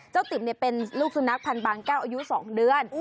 ติ๋มเป็นลูกสุนัขพันธ์บางแก้วอายุ๒เดือน